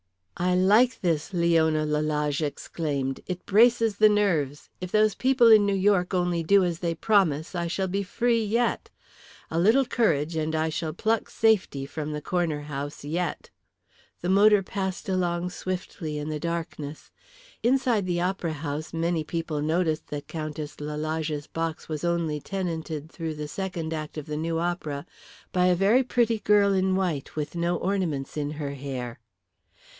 "I like this," Leona Lalage exclaimed, "it braces the nerves. If those people in New York only do as they promise I shall be free yet. A little courage and I shall pluck safety from the Corner House yet." The motor passed along swiftly in the darkness. Inside the opera house many people noticed that Countess Lalage's box was only tenanted through the second act of the new opera by a very pretty girl in white, with no ornaments in her hair.